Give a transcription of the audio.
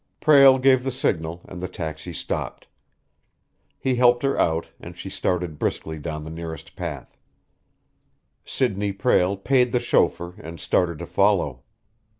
Prale gave the signal, and the taxi stopped. He helped her out, and she started briskly down the nearest path. Sidney Prale paid the chauffeur, and started to follow.